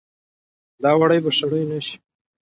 دا وړۍ به شړۍ نه شي